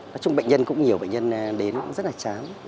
nói chung bệnh nhân cũng nhiều bệnh nhân đến rất là chán